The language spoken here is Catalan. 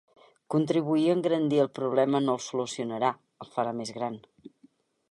Contribuir a engrandir el problema no el solucionarà, el farà més gran.